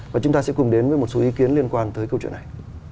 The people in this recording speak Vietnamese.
và chúng ta sẽ cùng đến với một số ý kiến liên quan tới câu chuyện này